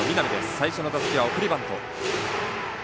最初の打席は送りバント。